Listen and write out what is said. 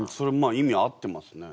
あ意味は合ってますね。